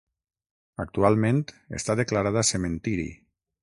Actualment està declarada cementiri.